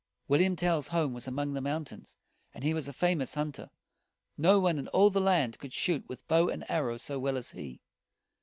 William Tell's home was among the mountains, and he was a famous hunter. No one in all the land could shoot with bow and arrow so well as he.